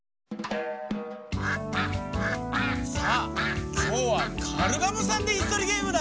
さあきょうはカルガモさんでいすとりゲームだ。